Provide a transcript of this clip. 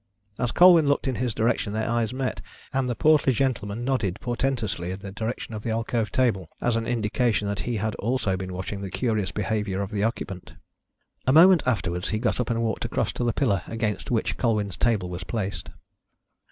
As Colwyn looked in his direction their eyes met, and the portly gentleman nodded portentously in the direction of the alcove table, as an indication that he also had been watching the curious behaviour of the occupant. A moment afterwards he got up and walked across to the pillar against which Colwyn's table was placed.